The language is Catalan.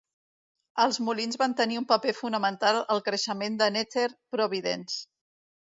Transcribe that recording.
Els molins van tenir un paper fonamental al creixement de Nether Providence.